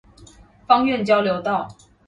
芳苑交流道